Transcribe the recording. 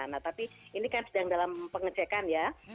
nah tapi ini kan sedang dalam pengecekan ya